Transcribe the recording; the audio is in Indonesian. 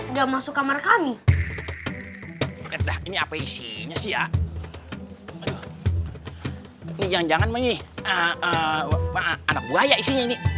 enggak masuk kamar kami ini apa isinya sih ya aduh ini jangan jangan nih anak buaya isinya ini